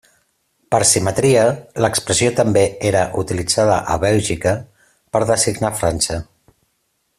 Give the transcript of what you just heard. Per simetria l'expressió també era utilitzada a Bèlgica per designar França.